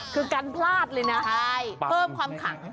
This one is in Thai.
คือกันพลาดเลยนะเพิ่มความขัง